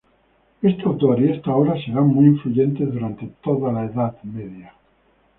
Este autor y esta obra serán muy influyentes durante toda la Edad Media.